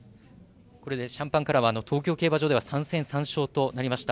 これでシャンパンカラーは東京競馬場では３戦３勝となりました。